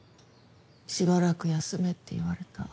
しばらく休めって言われた。